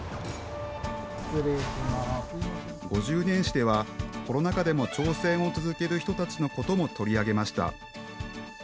５０年誌では、コロナ禍でも挑戦を続ける人たちのことも取り上げました。